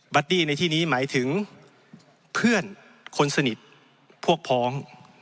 ดี้ในที่นี้หมายถึงเพื่อนคนสนิทพวกพ้อง